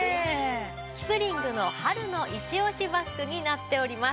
キプリングの春のイチオシバッグになっております。